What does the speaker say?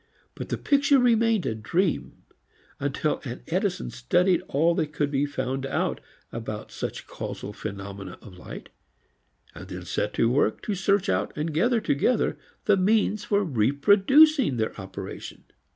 But the picture remained a dream until an Edison studied all that could be found out about such casual phenomena of light, and then set to work to search out and gather together the means for reproducing their operation.